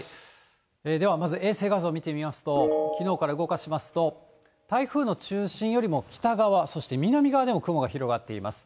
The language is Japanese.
ではまず衛星画像を見てみますと、きのうから動かしますと、台風の中心よりも北側、そして南側でも雲が広がっています。